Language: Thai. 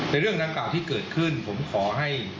เรื่องดังกล่าวที่เกิดขึ้นผมขอให้